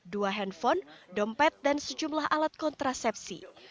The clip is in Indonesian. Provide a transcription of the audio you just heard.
dua handphone dompet dan sejumlah alat kontrasepsi